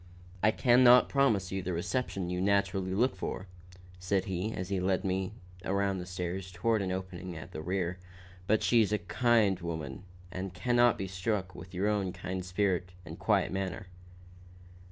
"I can not promise you just the reception you naturally look for," said he, as he led me around the stairs toward an opening at their rear, "but she's a kind woman and can not but be struck with your own kind spirit and quiet manner."